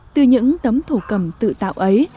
từ những tấm thổ cầm tự tạo ấy